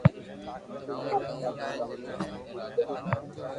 اوني ھمجاوُ ڪاوُ او ھمجي ڪوئي ني